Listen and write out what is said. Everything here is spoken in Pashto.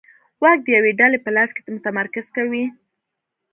واک د یوې ډلې په لاس کې متمرکز کوي.